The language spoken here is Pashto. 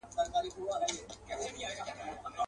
عزراییل به یې پر کور باندي مېلمه سي.